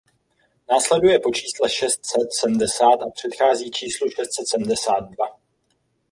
Následuje po čísle šest set sedmdesát a předchází číslu šest set sedmdesát dva.